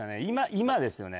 今ですよね？